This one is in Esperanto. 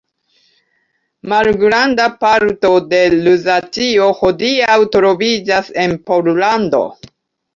Malgranda parto de Luzacio hodiaŭ troviĝas en Pollando.